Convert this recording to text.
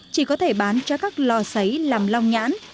chỉ có thể bán cho các lò xấy làm long nhãn